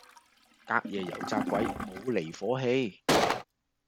隔夜油炸鬼冇離火氣